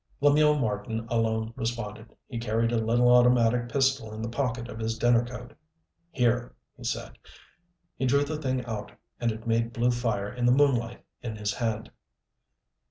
Lemuel Marten alone responded he carried a little automatic pistol in the pocket of his dinner coat. "Here," he said. He drew the thing out, and it made blue fire in the moonlight in his hand.